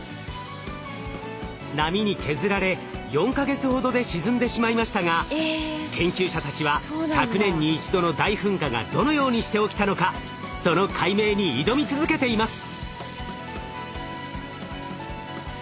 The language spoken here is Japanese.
波に削られ４か月ほどで沈んでしまいましたが研究者たちは１００年に一度の大噴火がどのようにして起きたのかその解明に挑み続けています。